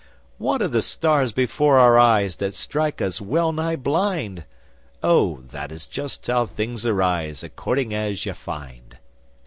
'What are the stars before our eyes That strike us well nigh blind?' 'Oh, that is just how things arise According as you find.